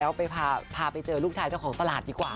แล้วไปพาไปเจอลูกชายเจ้าของตลาดดีกว่า